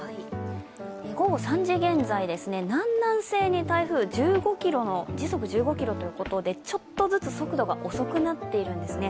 午後３時現在、南南西に台風、時速１５キロということでちょっとずつ速度が遅くなってるんですね。